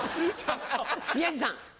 宮治さん。